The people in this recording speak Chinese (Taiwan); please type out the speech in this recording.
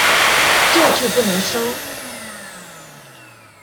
這句不能收